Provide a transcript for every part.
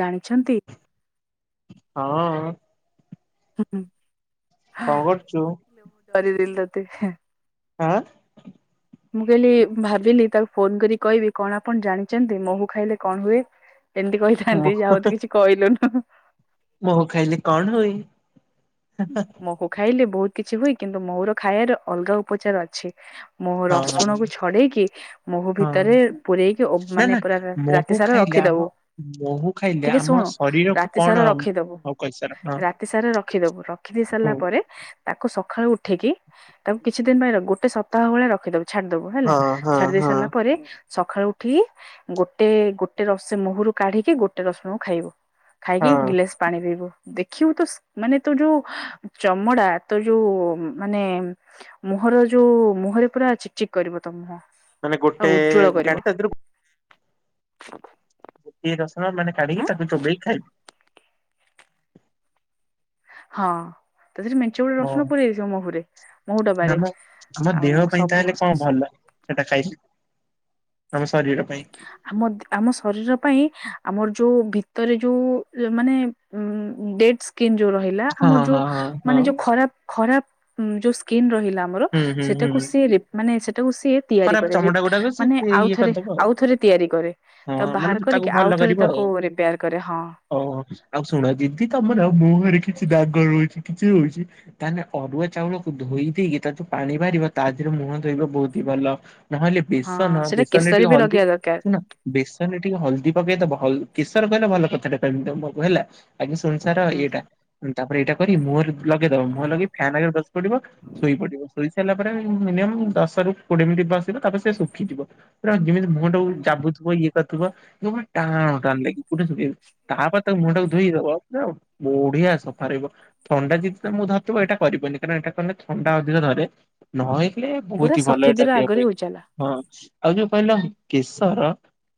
ଜାଣିଛନ୍ତି? ହଁ। ହୁଁ। କଣ କରୁଛୁ? [unintelligible] ଆଁ। ମୁଁ କହିଲି ଭାବିଲି ତାକୁ ଫୋନ କରି କହିବି କଣ ଆପଣ ଜାଣିଛନ୍ତି ମହୁ ଖାଇଲେ କଣ ହୁଏ? ଏମିତି ମ କହିଥାନ୍ତି ଯା ହଉତୁ କିଛି କହିଲୁନୁ? ମହୁ ଖାଇଲେ କଣ ହୁଏ? ମହୁ ଖାଇଲେ ବହୁତ କିଛି ହୁଏ। କିନ୍ତୁ, ମହୁର ଖାଇବାର ଅଲଗା ଉପଚାର ଅଛି। ମହ ହଁ ରସୁଣକୁ ଛଡେଇକି ମହୁ ହଁ ଭିତରେ ପୂରେଇକି ନା ମାନେ ନା ପୁରା ରାତି ମହୁ ସାରା ଖାଇଲେ ଆମ ରଖିଦବୁ। ମହୁ ଖାଇଲେ ଟିକେ ଆମ ଶୁଣୁ ଶରୀରକୁ ରାତି କଣ ସାରା ରଖିଦବୁ ହଉ କହିସାର ହଁ ରାତି ସାରା ରଖିଦବୁ ରଖି ସାରିଲା ହୁଁ ପରେ ତାକୁ ସକାଳୁ ଉଠିକି ତାକୁ କିଛି ଦିନ ପାଇଁ ଗୋଟେ ସପ୍ତାହ ଭଳିଆ ରଖିଦବୁ। ଛାଡିଦବୁ ହେଲା ହଁ ହଁ ଛାଡି ଦେଇ ହଁ ସାରିଲା ପରେ ସକାଳୁ ଉଠିକି ଗୋଟେ ଗୋଟେ ରସେ ମହୁରୁ କାଢିକି ଗୋଟେ ରସୁଣକୁ ଖାଇବୁ। ଖାଇକି ହଁ ଗିଲାସ ପାଣି ପିଇବୁ ଦେଖିବୁ ତ ମାନେ ତୁ ଯୋଉ ଚମଡା ତ ଯୋଉ ମାନେ ମୁହଁର ଯୋଉ ମୁହଁରେ ପୁରା ଚିକ୍ ଚିକ୍ କରିବ ତୋ ମୁହଁ। ମାନେ ଆଉ ଗୋଟେ ଉଜ୍ଜଳ କରିବ ଗାଡି ପାଖରେ ଗୋ ଗୋଟିିଏ ରସୁଣ ମାନେ ଆଁ କାଢିକି ତାକୁ ଚୋବେଇ ଖାଇବୁ। ହଁ ତ ସେଠି ମେ ଚେ ଗୋଟେ ହଁ ରସୁଣ ପୂରେଇଚ ମହୁରେ, ମହୁ ଡବାରେ, ଆମ ଆମ ଦେହ ଆଉ ପାଇଁ ସବୁ ତାହେଲେ କଣ ଭଲ ସେଟା ଖାଇଛି, ଆମ ଶରୀର ପାଇଁ ଆମ ଦେ-ଆମ ଶରୀର ପାଇଁ ଆମର ଯୋଉ ଭିତରେ ଯୋଉ ଇଏ ମାନେ ଉଁ, ଡେଡ୍ ସ୍କିନ୍ ଯୋଉ ରହିଲା ହଁ ଆମର ଯୋଉ ହଁ ହଁ ହଁ ମାନେ ଯୋଉ ଖରାପ ଖରାପ ଉଁ, ଯୋଉ ସ୍କିିନ୍ ରହିଲା ଆମର ହୁଁ ହୁଁ ସେଟାକୁ ହୁଁ ସିଏ ରିପ- ମାନେ ସେଟାକୁ ସିଏ ତିଆରି ଖରାପ କରେ, ରିପ୍ ଚମଡା ଗୁଡାକ ସେ ମାନେ ଆଉ ଇଏ ଥରେ କରିଦବ ଆଉ ଥରେ ତିଆରି କରେ, ତ ହଁ ମାନେ ବାହାର ତାକୁ କରିକି ଆଉ ଥରେ ତାକୁ ରିପେୟାର୍ କରେ ହଁ। ଓ ହୋ, ଆଉ ଶୁଣ ଯିଦି ତୋମର ମୁହଁରେ କିଛି ଦାଗ ରହୁଛି କିଛି ରହୁଛି ତାହେନେ ଅରୁଆ ଚାଉଳକୁ ଧୋଇ ଦେଇକି ତାର ଯୋଉ ପାଣି ବାହାରିବ ତା ଦେହରେ ମୁହଁ ଧୋଇବ ବହୁତ ତି ଭଲ, ନହେଲେ ହଁ ବେସନ, ସେଟା ବେସନ ରେ କେଶରେ ଟିକେ ବି ହଳଦୀ ଲଗେଇବା ଦରକାର [unintelligible] ବେସନ ରେ ଟିକେ ହଳଦୀ ପକେଇଦବ, ହଳ- କେଶର କହିଲେ ଭଲ କଥାଟେ କହିବି ତୋମକୁ ହେଲା। ଆଗେ ଶୁଣିସାର ହୁଁ ଇଏଟା ଉଁ, ତାପରେ ଏଇଟା କରି ମୁହଁରେ ଲଗେଇଦବ। ମୁହଁ ରେ ଲଗେଇ ଫ୍ୟାନ୍ ଆଗରେ ବସି ପଡିବ। ଶୋଇ ପଡିବ ଶୋଇ ସାରିଲା ପରେ ମିନିୟମ୍ ଦଶ ରୁ କୋଡିଏ ମିନିଟ୍ ବସିବ ତାପରେ ସେ ଶୁଖିଯିବ। ପୁରା ଯେମିତି ମୁହଁ ଟାକୁ ହୁଁ ଯାବୁଥିବ ଇଏ ଦେଖିବ ଜମା ଟାଣ ଟାଣ ଲାଗି [unintelligible] ତାପର ତାକୁ ମୁହଁ ହୁଁ ଟାକୁ ଧୋଇଦବ। ଯାଅ ବଢିଆ ସଫା ରହିବ। ଥଣ୍ଡା ଯଦି ତୋମକୁ ଧରିଥିବ ଏଟା କରିବନି। କାରଣ ଏଟା କନେ ଥଣ୍ଡା ଅଧିକ ଧରେ। ନ ହେଇଥିଲେ ପୁରା ବହୁତ ହି ଭଲ ଏ ସଫେଦିର ଆଗରେ ଉଜାଲା ହଁ ଆଉ ଯୋଉ କହିଲ କେଶର,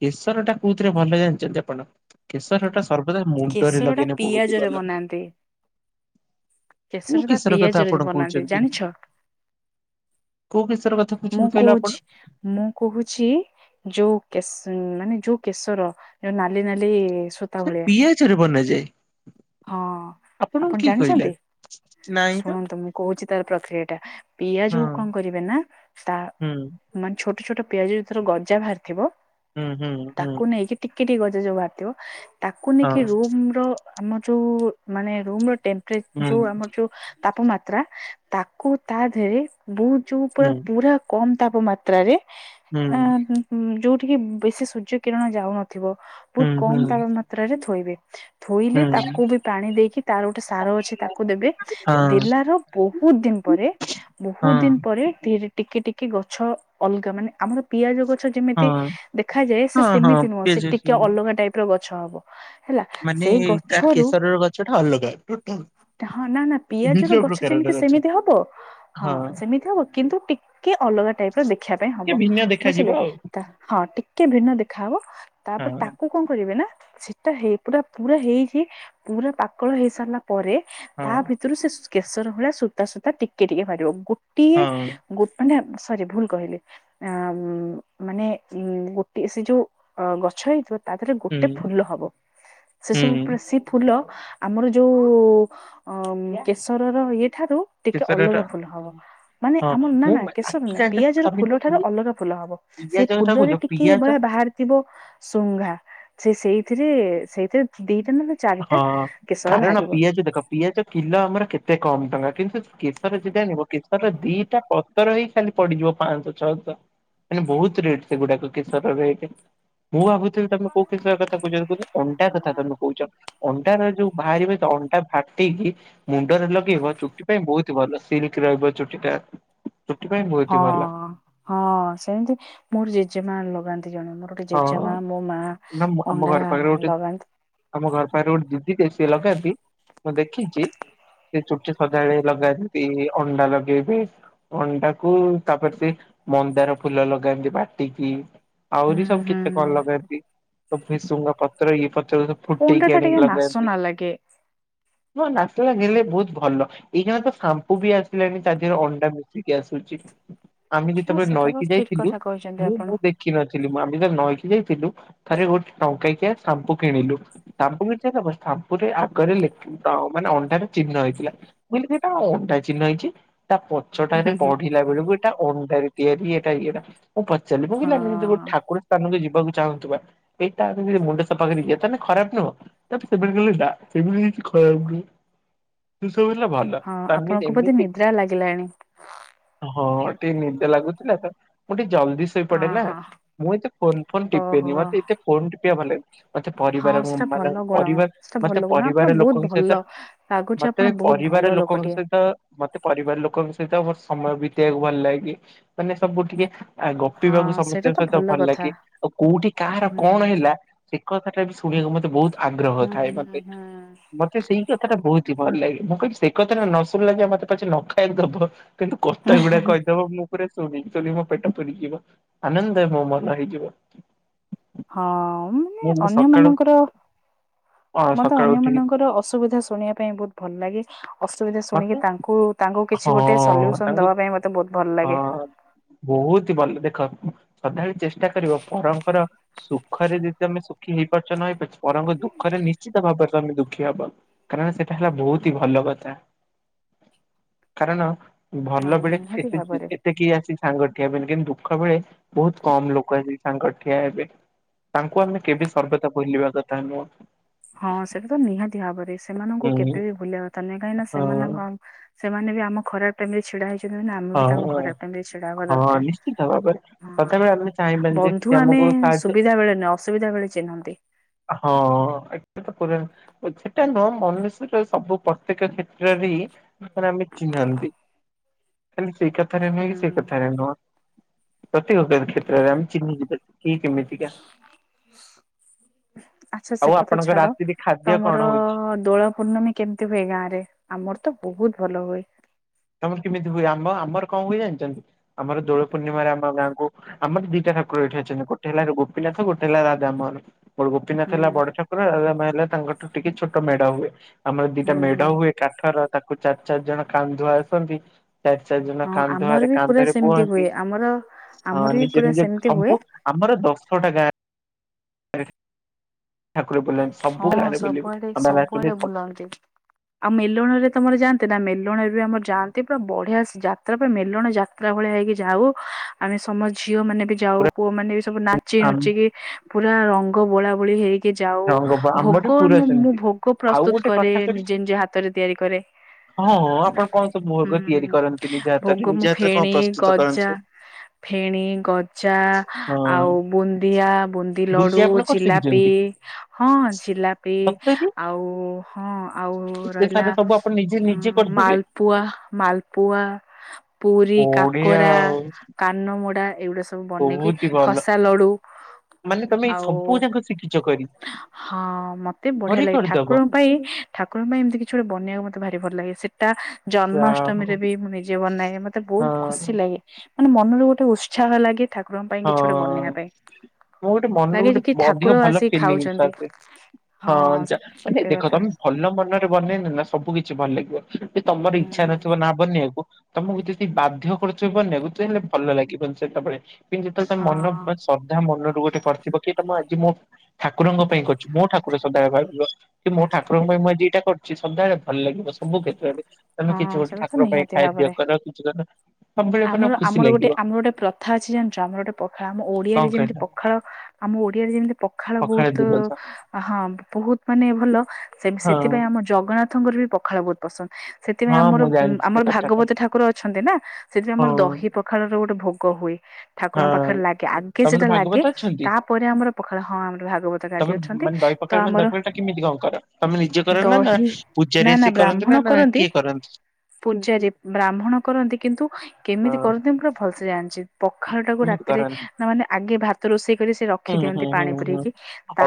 କେଶର ଟା କୋଉଥିରେ ଭଲ ଜାଣିଛନ୍ତି ଆପଣ? କେଶର ଟା ସର୍ବଦା ମୁଣ୍ଡରେ କେଶର ଟା ଲଗେଇଲେ ବହୁତି ପିଆଜରେ ଭଲ। ବନାନ୍ତି କୋଉ କେଶର ତା କଥା ପିଆଜରେ ଆପଣ ବନାନ୍ତି କହୁଛନ୍ତି? ଜାଣିଛ? କୋଉ କେଶର କଥା ମୁଁ କହୁଛନ୍ତି କହିଲେ ଆପଣ? କହୁଛି, ମୁଁ କହୁଛି ଯୋଉ କେଶ ଉଁ, ମାନେ ଯୋଉ କେଶର ଯୋଉ ନାଲି ନାଲି ସୁ ସେ ପିଆଜରେ ବନାଯାଏ। ହଁ, ଆପଣଙ୍କୁ ଆପଣ କିଏ କହିଲା? ଜାଣିଛନ୍ତି? ନାଇଁ ତ ଶୁଣନ୍ତୁ ମୁଁ କହୁଛି ତାର ପ୍ରକ୍ରିୟା ଟା ହଁ ପିଆଜକୁ କଣ କରିବେ ନା ତା ହୁଁ ମାନେ ଛୋଟ ଛୋଟ ପିଆଜ ରେ ତାର ଗଜା ବାହାରିଥିବ ହୁଁ ହୁଁ ହୁଁ ତାକୁ ନେଇକି ଟିକେ ଟିକେ ଗଜା ଯୋଉ ବାହାରିଥିବ ତାକୁ ହଁ ନେଇକି ରୁମ୍ ର ଆମର ଯୋଉ ମାନେ ରୁମ୍ ର ଟେମ୍ପ୍ରେ ହୁଁ ଯୋଉ ଆମର ଯୋଉ ତାପମାତ୍ରା ତାକୁ ତା ଦେହରେ ବହୁତ ଯୋଉ ହୁଁ ପ- ପୁରା କମ୍ ତାପମାତ୍ରାରେ ଅଁ, ହୁଁ, ଯୋଉଠି କି ବେଶୀ ସୂର୍ଯ୍ୟ କିରଣ ଯାଉନଥିବ, ବହୁତ କମ ହୁଁ ତାପମାତ୍ରାରେ ଥୋଇବେ। ହୁଁ ଥୋଇଲେ ହୁଁ ତାକୁ ବି ପାଣି ଦେଇକି ତାର ଗୋଟେ ସାର ଅଛି ତାକୁ ଦେବେ। ହଁ ଦେଲାର ବହୁତ ଦିନ ପରେ, ହଁ ବହୁତ ଦିନ ପରେ [unintelligible] ଟିକେ ଟିକେ ଗଛ ଅଲଗା ମାନେ ଆମର ପିଆଜ ଗଛ ଯେମିତି ହଁ ଦେଖାଯାଏ ସେ ହଁ ହଁ ସେମିତି ନୁହଁ ସେ ପିଆଜ ଟିକେ ଅଲଗା ଟାଇପ୍ ର ଗଛ ହବ। ହେଲା ସେଇ ଗ କେଶର ର ଗଛ ଟା ଅଲଗା [inaudible] ହଁ ନା ନା ପିଆଜ ର ଭିନ୍ନ ଗଛ ପ୍ରକାରର ଯେମିତି ସେମିତି ହବ, ହଁ ସେମିତି ହବ କିନ୍ତୁ ଟିକ କେ ଅଲଗା ଟାଇପ୍ ର ଦେଖିବା ପାଇଁ ଟିକେ ହବ, ଭିନ୍ନ ଦେଖାଯିବ ବୁଝିଲେ ଆଉ ତ ହଁ ଟିକେ ଭିନ୍ନ ଦେଖାହବ ତାପରେ ତା କଣ କରିବେ ନା ସେଟା ହେଇ ପୁରା ପୁରା ହେଇକି ପୁରା ପକଳ ହେଇସାରିଲା ପରେ ହଁ ତା ଭିତରୁ ସେ ଶୁ କେଶର ଭଳିଆ ସୂତା ସୂତା ଟିକେ ଟିକେ ବାହାରିବ ଗୋଟିଏ ହଁ ହଁ ଗୋ ମାନେ ସରି ଭୁଲ କହିଲେ ଅ ମାନେ ଉ ଗୋଟେ ସେ ଯୋଉ ଅ ଗଛ ହେଇଥିବ ତା ଦେହରେ ହୁଁ ଗୋଟେ ଫୁଲ ହବ ସେ ସବୁ ହୁଁ ବାଶି ଫୁଲ ଆମର ଯୋଉ ଅ -କେଶରର ଇଏଠାରୁ ଟିକେ କେଶରର ଅଲଗା ଫୁଲ ହବ ମାନେ ହଁ ଆମର ନା ମୁଁ ନା କେଶର ଆଖି ନାଇଁ ଜାଣିଛ ପିଆଜ ର ତମେ ଫୁଲ ଯୋଉ ଠାରୁ ପି ଅଲଗା ଫୁଲ ହବ ପିଆଜ ସେ କଥା କହୁଛ ଫୁଲରେ ଟିକେ ଏ ପିଆଜ ଭଳିଆ ବାହାର ଥିବ ଶୁଙ୍ଘା ସେ ସେଇଥିରେ ସେଇଥିରେ ଦିଟା ନା ହଁ କାରଣ ପିଆଜ ଦେଖ ପିଆଜ କିଲୋ ଆମର କେତେ କମ ଟଙ୍କା କିନ୍ତୁ କେଶର ଯଦି ଆଣିବ କେଶରର ଦିଟା ପତର ହେଇ ଖାଲି ପଡିଯିବ ପାଞ୍ଚଶହ ଛଅଶହ ମାନେ ବହୁତ ରେଟ୍ ସେଗୁଡାକ କେଶର ରେଟ ମୁଁ ଭାବୁଥିଲି ତମେ କୋଉ କେଶର କଥା କହୁଛ କହୁ ଅଣ୍ଡା କଥା ତମେ କହୁଛ ଅଣ୍ଟାର ଯୋଉ ବାହାରିବେ ତ ଅଣ୍ଟା ଫାଟିକି ମୁଣ୍ଡରେ ଲଗେଇବ ଚୁଟି ପାଇଁ ବହୁତ ଭଲ ସିଲିକି ଥିବ ରହିବ ଚୁଟିଟା ଚୁଟି ପାଇଁ ବହୁତ ହଁ ଭଲ। ହଁ ସେମିତି ମୋର ଜେଜେମା ଲଗାନ୍ତି ଜଣେ ମୋର ହଁ ଜେଜେମା ମୋ ମା ନା ମୁଁ ଆମ ଅଣ୍ଡା ଘର ପାଖରେ ଗୋଟେ ଲଗାନ୍ତି ଆମ ଘର ପାଖରେ ଗୋଟେ ଦିଦି ଟେ ସିଏ ଲଗାନ୍ତି ମୁଁ ଦେଖିଛି ସେ ଚୁଟିରେ ସଦାବେଳେ ଲଗାନ୍ତି ଅଣ୍ଡା ଲଗେଇବି ଅଣ୍ଡାକୁ ତାପରେ ସେ ମନ୍ଦାର ଫୁଲ ଲଗାନ୍ତି ବାଟିକି ଆହୁରି ହୁଁ ହୁଁ କେତେ କଣ ଲଗା ଏିନ୍ତି ଭିସୁଙ୍ଗା ପତ୍ର ଇଏ ପତ୍ର ସବୁ ଅଣ୍ଡା ଫୁଟିକି ଟା ଟିକେ ଆଣିକି ନାସ ଲଗାନ୍ତି ନା [inaudible] ମୋ ନାଚ ଲାଗିଲେ ବହୁତ ଭଲ ଏଇଖାନା ତ ସାମ୍ପୁ ବି ଆସିଲାଣି ତା ଦେହରେ ଅଣ୍ଡା ମିଶିକି ଆସୁଛି ଆମେ ହଁ ଯେତେବେଳେ ସେଟା ତ ନଈକି ଠିକ ଯାଇଥିଲୁ କଥା କହିଛନ୍ତି ମୁଁ ଆପଣ। ମୁଁ ଦେଖିିନଥିଲି ମୁ ଆମ୍ ଦିନେ ନଈକି ଯାଇଥିଲୁ ଥରେ ଗୋଟେ ଟଙ୍କକିଆ ସାମ୍ପୁ କିଣିଲୁ ସାମ୍ପୁ କୁ ଯିଏ ନବ ସାମ୍ପୁରେ ଆଗରେ ଲେଖା - ଅ ମାନେ ଅଣ୍ଡାରେ ଚିହ୍ନ ହେଇଥିଲା ମୁ କହିଲି ସେଇଟା ଅଣ୍ଡା ଚିହ୍ନ ହେଇଛି ତା ହୁଁ ପଛଟାରେ ହୁଁ ପଢିଲା ବେଳକୁ ଏଟା ଅଣ୍ଡାର ତିଆରି ଏଟା ଇଏଟା ମୁଁ ପଚାରିଲି ହଁ କିଲ ଆମେ ଯଦି ଗୋଟେ ଠାକୁର ସ୍ଥାନକୁ ଯିବାକୁ ଚାହୁଁଥିବା ବା ଏଇଟା ଆମେ ଯଦି ମୁଣ୍ଡ ସଫା କରି ଯିିବା ତାହେଲେ ଖରାପ ନୁହଁ ତାପରେ ସେମାନେ ଗଲେ ନା ସେମିତି କିଛି ଖରାପ ନୁହ ସବୁ ହେଲା ଭଲ ହଁ ତମେ ଆପଣଙ୍କୁ ବୋଧେ ଏମିତି ନିଦ୍ରା ଲାଗିଲାଣି ହଁ ଟିକେ ନିଦ ଲାଗୁଥିଲା ତ ମୁଁ ଟିକେ ଜଲଦି ଶୋଇପଡେ ନା ଅହୋ ମୁଁ ଏତ ଫୋନ ଫୋନ ଟିପେନି ଓହୋ ମତେ ଏତେ ଫୋନ ଟିପିବା ଭଲଲା ମତେ ହଁ ପରିବାର ସେଟା ମାନ ଭଲ ଗୁଣ ପରିବାର ସେଟା ମତେ ଭଲ ଗୁଣ ଆପଣ ପରିବାର ବହୁତ ଲୋକଙ୍କ ଭଲ ସହିତ ଲାଗୁଛି ଆପଣ ମତେ ବହୁତ ଭଲ ପରିବାର ଲୋକଙ୍କ ଲୋକଟିଏ ସହିତ ମତେ ପରିବାର ଲୋକଙ୍କ ସହିତ ମୋର ସମୟ ବିତେଇବାକୁ ଭଲ ଲାଗେ ମାନେ ସବୁ ଟିକେ ଆଉ ହଁ ଗପିବାକୁ ସେଇଟା ସମସ୍ତଙ୍କ ତ ସହିତ ଭଲ କଥା ଲାଗେ ଆଉ କୋଉଠି କାହାର ହୁଁ କଣ ହେଲା ସେ କଥାଟା ବି ଶୁଣିବାକୁ ମତେ ବହୁତ ଆଗ୍ରହ ହୁଁ ଥାଏ ହୁଁ ମତେ ହୁଁ ମ ତେ ସେଇ କଥାଟା ବହୁତ ହି ଭଲ ଲାଗେ ମୁଁ କହିମି ସେ କଥାଟା ନ ଶୁଣିଲା ଯେ ମତେ ପଛେ ନଖାଇ ବା ଦବ କିନ୍ତୁ କଥା ଗୁଡାକ କହିଦବ ମୁଁ ପୁରା ଶୁଣିକିଲିି ମୋ ପେଟ ଫୁରିଯିବ ଆନନ୍ଦ ମୋ ମନ ହେଇଯିବ ହଁ ମ୍ ଏ ମୁଁ ମୁଁ ଅନ୍ୟ ସକାଳୁ ମାନଙ୍କର ହଁ ମତେ ସକାଳୁ ଅନ୍ୟ ଉଠିକି ମାନଙ୍କର ଅସୁବିଧା ଶୁଣିବା ପାଇଁ ବହୁତ ଭଲ ଲାଗେ ଅସୁବିଧା ଶୁଣିକି ମତେ ତାଙ୍କୁ ତାଙ୍କୁ କିଛି ହଁ ଗୋଟେ ସଲ୍ୟୁସନ ତାଙ୍କୁ ଦବା ପାଇଁ ମତେ ବହୁତ ଭଲ ଲାଗେ। ହଁ ବହୁତ ଭଲ ଦେଖ ସଦାବେଳେ ଚେଷ୍ଟା କରିବ ପରଙ୍କର ସୁଖରେ ଯଦି ତମେ ସୁଖୀ ହେଇପାରୁଛ ନ ହେଇପାରୁଛ ବରଂ ଦୁଃଖରେ ନିଶ୍ଚିତ ଭାବରେ ତମେ ଦୁଃଖୀ ହବ। କାରଣ ସେଟା ହେଲା ବହୁତ ହି ଭଲ କଥା। କାରଣ ହଁ ଭଲ ବେଳେ ନିହାତି କେତେ ଭାବରେ ଏତେ କେହି ଆସି ସାଙ୍ଗ ଠିଆ ହେବେନି କିନ୍ତୁ ଦୁଃଖ ବେଳେ ବହୁତ କମ୍ ଲୋକ ଆସି ସାଙ୍ଗ ଠିଆ ହେବେ। ତାଙ୍କୁ ଆମେ କେବେ ସର୍ବଦା ବୁଲିବା କଥା ନୁହଁ। ହଁ ସେଟା ତ ନିହାତି ଭାବରେ ସେମାନଙ୍କୁ ହୁଁ କେବେ ବି ଭୁଲିବା କଥା ନହିଁ କାହିଁକି ନା ହଁ ସେମାନଙ୍କ ସେମାନେ ବି ଆମ ଖରାପ ଖରାପ ଟାଇମରେ ଛିଡା ହେଇଛନ୍ତି ନା ଆମେ ବି ତାଙ୍କୁ ହଁ ଖରାପ ଟାଇମ ରେ ଛିଡା ହବା ହଁ ଦରକାର ନିଶ୍ଚିତ ଭାବରେ ସଦାବେଳେ ଆମେ ହଁ। ଚାହିଁବାନି ଯେ ବନ୍ଧୁ ସେ ଆମେ ଆମକୁ ସାହାଯ୍ୟ ସୁବିଧା ବେଳେ ନୁହଁ ଅସୁବିଧା ବେଳେ ଚିହ୍ନନ୍ତି। ହଁ ତ କର ସେଟା ନୁହଁ ମନୁଷ୍ୟର ସବୁ ପ୍ରତ୍ୟେକ କ୍ଷେତ୍ରରେ ହିଁ ଆମେ ଚିହ୍ନାନ୍ତି ଖାଲି ସେଇ କଥା। କଥାରେ ନୁହେଁ କି ସେ ହୁଁ କଥାରେ ନୁହଁ ପ୍ରତେକ କ୍ଷେତ୍ରରେ ଆମେ ଚିହ୍ନ ଯିବା କିଏ କେମିତିକା। ଆଚ୍ଛା ଆଉ ସେ କଥା ଆପଣଙ୍କ ଛାଡ ରାତିରେ ଖାଦ୍ୟ କଣ ତମର ହଉଛି? ଦୋଳ ପୂର୍ଣ୍ଣମୀ କେମିତି ହୁଏ ଗାଁ ରେ ଆମର ତ ବହୁତ ଭଲ ହୁଏ। ତମର କେମିତି ହୁଏ ଆମ ଆମର କଣ ହୁଏ ଜାଣିଛନ୍ତି ଆମର ଦୋଳ ପୂର୍ଣ୍ଣିମାରେ ଆମ ଗାଁକୁ ଆମ ଏଠି ଦିଟା ଠାକୁର ଏଠି ଅଛନ୍ତି ଗୋଟେ ହେଲା ଗୋପୀନାଥ ଗୋଟେ ହେଲା ରାଧାମୋହନ। ଆମର ଗୋପୀନାଥ ହୁଁ ହେଲା ବଡ ଠାକୁର ରାଧାମୋହନ ହେଲେ ତାଙ୍କଠୁ ଟିକେ ଛୋଟ ମେଢ଼ ହୁଏ ଆମର ଦିଟା ହୁଁ ମେଢ ହୁଁ ହୁଏ। କାଠର ତାକୁ ଚାରି ଚାରି ଜଣ କାନ୍ଧୁଆ ଆସନ୍ତି। ଚାରି ଚାରି ଜଣ ହଁ ଆମର କାନ୍ଧରେ ବି ପୁରା କାନ୍ଧରେ ସେମିତି ହୁଏ ବୁହନ୍ତି ଆମର ହଁ ଆମର ବି ନିଜେ ପୁରା ନିଜେ ସେମିତି ହୁଏ ସବୁ ଆମର ଦଶଟା ଗାଁ ଠାକୁର ବୁଲନ୍ତି ସବୁ ହଁ ଗାଁରେ ବୁଲିବେ। ସବୁଆଡେ ଆମ ଗାଁରେ ଅଛନ୍ତି ସବୁଆଡେ ସବୁ ବୁଲନ୍ତି। ଆଉ ମେଲଣରେ ତମର ଯାଆନ୍ତି ନା ମେଲଣରେ ବି ଆମର ଯାଆନ୍ତି ପୁରା ବଢିଆ ଯାତ୍ରା ମେଲଣ ଯାତ୍ରା। ପୁରା ଭଳିଆ ହେଇକି ଯାଉ ଆମେ ସମସ୍ତ ଝିଅ ମାନେ ବି ଯାଉ ପୁଅ ମାନେ ବି ସବୁ ନାଚ ନାଚି ଆମ ନୁଚିକି ପୁରା ରଙ୍ଗ ବୋଳା ବୋଳି ହେଇକି। ଯାଉ ରଙ୍ଗ ଆମଠି ଭୋଗ ପୁରା ମୁଁ ସେମିତି ଭୋଗ ଆଉ ପ୍ରସ୍ତୁତ ଗୋଟେ କଥା କରେ କହିବି ନିଜେ ନିଜେ ହାତରେ ତିଆରି କରେ। ହଁ ହଁ ଆପଣ କଣ ସବୁ ମୁର୍ଗ ହୁଁ ତିଆରି କରନ୍ତି ନିଜ ହାତରେ ଭୋଗ ନିଜ ମୁ ହାତରେ କଣ ଫେଣି ପ୍ରସ୍ତୁତ ଗଜା। କରନ୍ତି? ଫେଣି ଗଜା ହଁ ଆଉ ବୁନ୍ଦିଆ ବୁନ୍ଦି ବୁଲି ଲଡୁ ଆପଣ କଣ ଜିଲାପି ଶିଖିଛନ୍ତି ହଁ ଜିଲାପି ସତରେ ଆଉ ହଁ ଆଉ ଏତେ ରହିଲା ସାରା ସବୁ ଆପଣ ନିଜେ ନିଜେ ଉ କରିଦେବେ? ମାଲ ପୁଆ ମାଲପୁଆ ପୁରୀ ବଢିଆ କାକରା ଆଉ କାନମୋଡା ଏଇଗୁଡା ସବୁ ବନେଇକି ବହୁତ ହି ଭଲ ଖସା ଲଡୁ। ମାନେ ତମେ ଏଇ ଆଉ ସବୁ ଯାକ ଶିଖିଛି କରି। ହଁ ମତେ ବଢିଆ ଘରେ ଲାଗେ କରିଦବ ଠାକୁଙ୍କ ପାଇଁ ଠାକୁରଙ୍କ ପାଇଁ ଏମିତି କିଛି ଗୋଟେ ବନେଇବାକୁ ମତେ ଭି ଭଲ ଲାଗେ ସେ ଟା ଯା ହଉ ଜନ୍ମାଷ୍ଟମୀରେ ବି ମୁଁ ନିଜେ ବନାଏ ମତେ ବହୁତ ହଁ ଖୁସି ଲାଗେ। ମାନେ ମନରୁ ଗୋଟେ ଉତ୍ସାହ ଲାଗେ ଠାକୁ ଠାକୁରଙ୍କ ପାଇଁ କିଛି ଗୋଟେ ହଁ। ବନେଇବା ପାଇଁ ମୁଁ ଗୋଟେ ମନରୁ ଗୋଟେ ଲାଗେଛି କି ଅଧିକ ଠାକୁର ଭଲ ଆସି ଫିଲିଙ୍ଗସ୍ ଖାଉଛନ୍ତି ଆସେ। ହଁ ଯା ସେ ମାନେ ସେମିତି ଦେଖ କଥା। ତମେ ଭଲ ମନରେ ବନେଇଲେ ନା ସବୁ କିଛି ଭଲ ଲାଗିବ ଯେ ତମର ଇଚ୍ଛା ହୁଁ। ନଥିବ ନା ବନେଇବାକୁ ତମକୁ ଯଦି ବାଧ୍ୟ କରୁଥିବେ ବନେଇବାକୁ ହେଲେ ଭଲ ଲାଗିବନି ସେତେବେଳେ। ଯେତେବେଳେ ତମେ ମନ ହଁ ମାନେ ଶ୍ରଦ୍ଧା ମନରୁ ଗୋଟେ କରିଥିବ କି ତମ ଆଜି ମୋ ଠାକୁରଙ୍କ ପାଇଁ କରୁଚି ମୋ ଠାକୁର ସଦାବେଲେ ଭାବିବ ମୋ ଠାକୁରଙ୍କ ପାଇଁ ମୁ ଆଜି ଏଇଟା କରୁଛି। ସିଏ ସଦାବେଳେ ଭଲ ଲାଗିବ ସବୁ କ୍ଷେତ୍ରରେ ତମେ ହଁ କିଛି ଗୋଟେ ସେଟା ତ ଠାକୁର ପାଇଁ ନିହାତି ଖାଇବା ଭାବରେ। ତିଆରି କର କିଛି କର ସବୁବେଳେ ମାନେ ଆମର ଖୁସି ଆମର ଗୋଟେ ଲାଗିବ ଆମର ଗୋଟେ ପ୍ରଥା ଅଛି ଜାଣିଛ ଆମର ଗୋଟେ ପଖାଳ ଆମ କଣ ଓଡିଆରେ ଯେମିତି କହିଲ? ପଖାଳ ଆମ ଓଡିଆରେ ଯେମିତି ପଖାଳ ବହୁତ ହଁ ବହୁତ ମାନେ ଭଲ ସେ ହଁ ସେଥିପାଇଁ ଆମର ଜଗନ୍ନାଥଙ୍କର ବି ପଖାଳ ବହୁତ ପସନ୍ଦ ସେଥିପାଇଁ ହଁ ଆମର ମୁଁ ଜାଣିଛି ସେ ଆମର କଥାଟା ଭାଗବତ ଠାକୁର ଅଛନ୍ତି ନା - ସେଥି ହଁ ଆମର ଦହି ପଖାଳର ଗୋଟେ ଭୋଗ ହୁଏ। ହଁ ଠାକୁରଙ୍କ ପାଖରେ ଲାଗେ ଆଗେ ତମର ସେଟା ଲାଗେ ଭାଗବତ ଅଛନ୍ତି? ତାପରେ ଆମର ପଖାଳ ହଁ ଆମର ଭାଗବତ ତମେ ଗାଦି ଅଛନ୍ତି ମାନେ ଦହି ତ ପଖାଳ ମାନେ ଆମର ଦହି ପଖାଳ ଟା କେମିତି କଣ କର ତମେ ନିଜେ କର ନା ଦହି ପୂଜାରି ଆସିି କରନ୍ତୁ ନା ନା କିଏ କରନ୍ତି? ପୂଜାରେ ବ୍ରାହ୍ମଣ କରନ୍ତି କିନ୍ତୁ କେମିତି ହଁ କରନ୍ତି ମୁଁ ପୁରା ଭଲସେ ଜାଣିଛି ପଖାଳ ଟାକୁ କେମିତି ରାତିରେ କରନ୍ତି? ନା ମାନେ ଆଗେ ଭାତ ରୋଷେଇ କରି ସେ ହୁଁ ହୁଁ ରଖିଦିଅନ୍ତି ହୁଁ ପାଣି ହୁଁ ପୂରେଇକି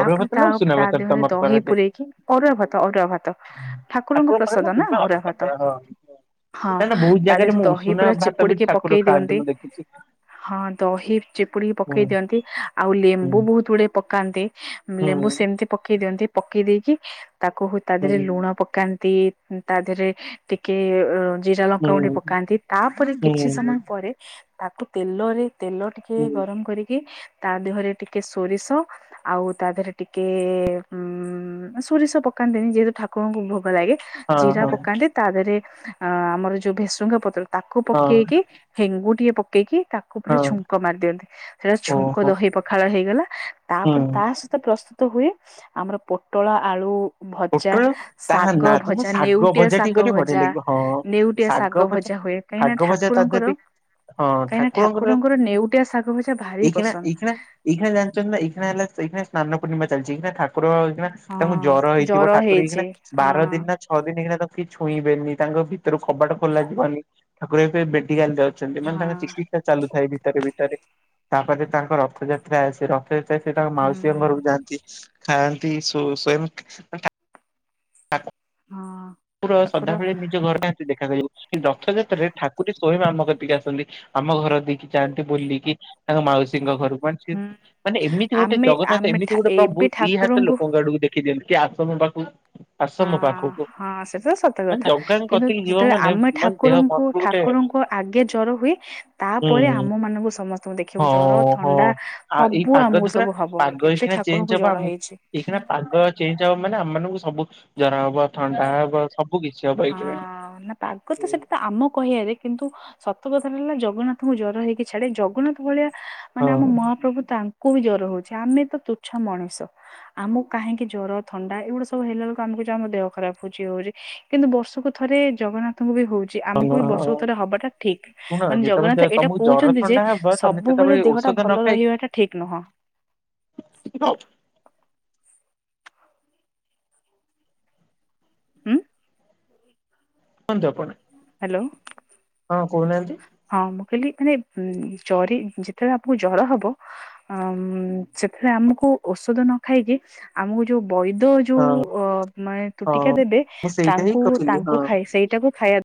ଅରୁଆ ଭାତ ତା ନା ଉଷୁନା ତା ଭାତ ଦେହରେ ତମର ଦହି କରାଯାଏ? ପୂରେଇକି ଅରୁଆ ଭାତ ଅରୁଆ ଭାତ ଠାକୁରଙ୍କ ପାଖରେ ପ୍ରସାଦ ନା ସେଥିପାଇଁ ଅରୁଆ ଭାତ ପଖାଳ ହଁ। ହଁ ନା ନା ବହୁତ ତା ଜାଗାରେ ଦେହରେ ମୁଁ ଦହି ଉଷୁନା ପୁରା ଭାତ ବି ଚିପୁଡିିକ ଠାକୁର ପକେଇ ଖାଆନ୍ତି ଦିଅନ୍ତି ମୁଁ ଦେଖିଛି। ହଁ ଦହି ଚିପୁଡିିକ ହୁଁ ପକେଇ ଦିଅନ୍ତି ଆଉ ହୁଁ ଲେମ୍ବୁ ବହୁତ ଗୁଡେ ପକାନ୍ତି ଲେମ୍ବୁ ହୁଁ ସେମିତି ପକେଇ ଦିଅନ୍ତି ପକେଇ ଦେଇକି ତାକୁ ହ ତା ଦେହରେ ଲୁଣ ପକାନ୍ତି ତା ଦେହରେ ଟିକେ ଜିରା ଲଙ୍କା ହୁଁ ଗୁଣ୍ଡ ପକାନ୍ତି ତାପରେ ହୁଁ କିଛି ହୁଁ ସମୟ ପରେ ତାକୁ ତେଲରେ ତେଲ ଟିକେ ହୁଁ। ଗରମ କରିକି ତା ଦେହରେ ଟିକେ ସୋରିଷ ଆଉ ତା ଦେହରେ ଟିକେ ଉଁ ସୋରିଷ ପକାନ୍ତିନି ଯେହେତୁ ଠାକୁରଙ୍କୁ ଭୋଗ ଲାଗେ ହଁ ଜିରା ହଁ ପକାନ୍ତି ତା ଦେହରେ ଅ ଆମର ଯୋଉ ଭେସୁଙ୍ଗା ପତ୍ର ତାକୁ ହଁ ପକେଇକି ହେଙ୍ଗୁ ଟିକେ ପକେଇକି ତାକୁ ପା ହଁ ଛୁଙ୍କ ମାରି ଦିଅନ୍ତି ସେଟା ଛୁଙ୍କ ଓହୋ ଦହି ପଖାଳ ହେଇଗଲା ହୁଁ। ତାପରେ ତା ସହିତ ପ୍ରସ୍ତୁତ ତ ହୁଏ ଆମର ପୋଟଳ ଆଳୁ ଭଜା ପୋଟଳ ତାହା ନା ଶାଗ ତମକୁ ଭଜା ଶାଗ ନେଉଟିଆ ଭଜା ଟିକେ ଶାଗ କରିବ ବଢିଆ ଭଜା ଲାଗିବ ହଁ ନେଉଟିଆ ଶାଗ ଭଜା ହୁଏ। କାହିଁକି ନା ଶାଗ ଭଜା ତା ଦେହରେ ଠାକୁରଙ୍କର ଟିକେ କାହିଁନା ଠାକୁରଙ୍କର ନେଉଟିଆ ଶାଗ ଭଜା ଭାରି ପସନ୍ଦ ଏଇଖାନା ଜାଣିଛନ୍ତି ନା ଏଇଖାନା ହେଲା ଏଇନା ସ୍ନାନ ପୂର୍ଣିମା ଚାଲିଛିନା ଠାକୁରଉନା ତାଙ୍କୁ ହଁ ଜ୍ୱର ହେଇଛି ଜର ଠାକୁର ହେଇକିନା ହେଇଛି ହଁ ବାର ଦିନ ନା ଛଅ ଦିନ ହେଇକିନା ତ କି ଛୁଇଁବେନି ତାଙ୍କ ଭିତରୁ କବାଟ ଖୋଲାଯିବନି ଠାକୁର ଏବେ ମେଡିକାଲ ଯାଉଛନ୍ତି ମାନେ ତାଙ୍କ ହଁ ଚିକିତ୍ସା ଚାଲୁଥାଏ ଭିତରେ ଭିତରେ ତାପରେ ତାଙ୍କ ରଥଯାତ୍ରା ଆସେ ସେ ତାଙ୍କ ମାଉସୀଙ୍କ ହୁଁ ଘରକୁ ଯାଆନ୍ତି ଖାଆନ୍ତି ଠାକୁ ହଁ ଠାକୁର ସଦାବେଳେ ନିଜ ଘରହା ଦେଖାାଯାଉ ରଥଯାତ୍ରାରେ ଠାକୁୀର ସ୍ଵୟମ୍ ଆାମକତିକି ଆସନ୍ତି। ଆମ ଘର ଦେଇକି ଯାଆନ୍ତି ବୁଲିକି ତାଙ୍କ ମାଉସୀଙ୍କ ଘରକୁ କ ସେ ହୁଁ ମାନେ ଏମିତି ଗୋଟେ ଆମେ ଜଗନ୍ନାଥ ଆମେ ଏମିତି ଠା ଗୋଟେ ଏବେ ପ୍ରଭୁ ଦି ହାତ ଠାକୁରଙ୍କୁ ଲୋକଙ୍କ ଆଡକୁ ଟେକି କିଏ ଆସନ୍ତୁ ପାଖକୁ ଆସ ହଁ ମୋ ପାଖକୁ ହଁ ସେଟା ତ ସତ ମାନେ କଥା। ଜଗାଙ୍କ କିନ୍ତୁ କତିକି ଯିବ ଯେତେବେଳେ ମାନେ ଆମେ ମାନେ ଦେହ ଠାକୁରଙ୍କୁ ମନରୁ ଗୋଟେ ଠାକୁରଙ୍କୁ ଆଗେ ଜ୍ଵର ହୁଏ ହୁଁ ତାପରେ ଆମ ମାନଙ୍କୁ ସମସ୍ତଙ୍କୁ ଦେଖିବାକୁ ଜର ହଁ ହଁ ଥଣ୍ଡା ଆଉ ଏଇ ସବୁ ପାଗ ଆମକୁ ଦେଖୁନା ସବୁ ହବ। ପାଗ ଏଇଖିଣା ଚେଞ୍ଜ ଠାକୁରଙ୍କୁ ହବ ଜର ଆମକୁ ହେଇଛି। ଏଇଖିଣା ପାଗ ଚେଞ୍ଚ ହବ ମାନେ ଆମ ମାନଙ୍କୁ ସବୁ ଜର ହବ ଥଣ୍ଡା ହବ। ସବୁ କିଛି ଏଇଖିଣା। ହଁ ନା ପାଗ ତ ସେଟା ତ ଆମ କହିବାରେ କିନ୍ତୁ ସତ କଥାଟା ହେଲା ଜଗନ୍ନାଥଙ୍କୁ ଜ୍ୱର ହେଇକି ଛାଡେ ଜଗନ୍ନାଥ ଭଳିଆ ମାନେ ଆମ ହଁ ମହାପ୍ରଭୁ ତାଙ୍କୁ ବି ଜ୍ୱର ହଉଚି ଆମେ ତ ତୁଛ ମଣିଷ। ଆମକୁ କାହିଁକି ଜ୍ୱର ଥଣ୍ଡା ଏଇଗୁଡା ସବୁ ହେଲା ବେଳକୁ ଆମକୁ କହୁଚୁ ଆମ ଦେହ ଖରାପ ହଉଚି ୟେ ହଉଚି। କିନ୍ତୁ ବର୍ଷକୁ ଥରେ ଜଗନ୍ନାଥଙ୍କୁ ବି ହଉଚି। ଯେ ଆମକୁ ବି ବର୍ଷରେ ଥରେ ହବାଟା ଠିକ। ଶୁଣ ମାନେ ଯେତେବେଳେ ଜଗନ୍ନାଥ ଯେ- ଏଇଟା ତମକୁ ଜର କହୁଚନ୍ତି ଯେ ଥଣ୍ଡା ହବ ତମେ ସବୁବେଳେ ସେତେବେଳେ ଦେହଟା ଔଷଧ ନ ଭଲ ଖାଇକି ରହିବାଟା ଠିକ ନୁହଁ। [unintelligible] ହୁଁ? ପୁଣି ଜବ ନାଇଁ। ହାଲୋ। ହଁ କହୁନାହାନ୍ତି? ହଁ ମୁଁ କହିଲି ମାନେ ଉ ଜରି ଯେତେବେଳେ ଆପଙ୍କୁ ଜର ହବ ଅ ସେତବେଳେ ଆମକୁ ଔଷଧ ନ ଖାଇକି ଆମକୁ ଯୋଉ ବୈଦ ଯୋଉ ହଁ ଅ ମାନେ ତୁଟିକା ହଁ ଦେବେ ମୁଁ ସେଇଟା ହିଁ ତାଙ୍କୁ କହୁଥିଲି ତାଙ୍କୁ ହଁ। ଖାଇ ସେଇଟାକୁ ଖାଇବା